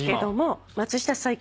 松下さん